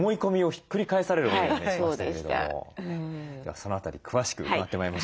その辺り詳しく伺ってまいりましょう。